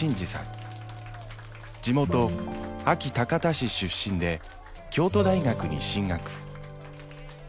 地元安芸高田市出身で京都大学に進学。